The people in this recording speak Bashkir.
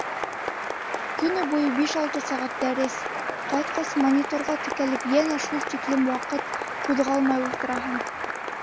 Көнөнә биш-алты сәғәт дәрес, ҡайтҡас мониторға текәлеп йәнә шул тиклем ваҡыт ҡуҙғалмай ултыраһың.